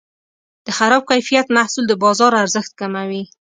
د خراب کیفیت محصول د بازار ارزښت کموي.